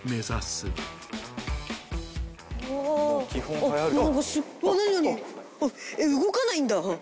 あっえっ動かないんだ。